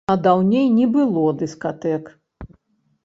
А даўней не было дыскатэк.